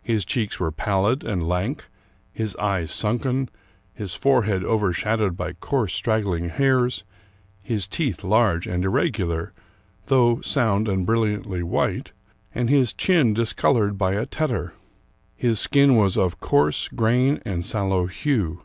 His cheeks were palHd and lank, his eyes sunken, his forehead overshadowed by coarse straggling hairs, his teeth large and irregular, though sound and brilliantly white, and his chin discolored by a tetter. His skin was of coarse grain and sallow hue.